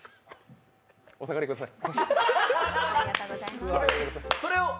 お下がりください。